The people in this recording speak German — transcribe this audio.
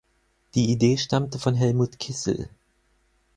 Die Idee stammte von Helmut Kissel.